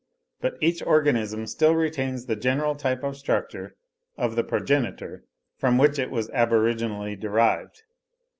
But each organism still retains the general type of structure of the progenitor from which it was aboriginally derived.